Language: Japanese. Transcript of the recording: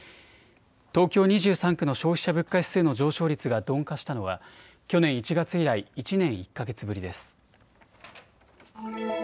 東京２３区の消費者物価指数の上昇率が鈍化したのは去年１月以来、１年１か月ぶりです。